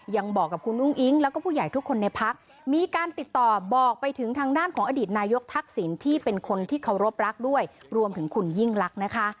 ยังบอกกับคุณอุ้งอิ๊งแล้วก็ผู้ใหญ่ทุกคนในพักมีการติดต่อบอกไปถึงทางด้านของอดีตนายกทักษิณที่เป็นคนที่เคารพรักด้วยรวมถึงคุณยิ่งรักนะคะ